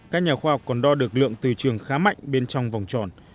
các nhà khoa học còn đo được lượng từ trường khá mạnh bên trong vòng tròn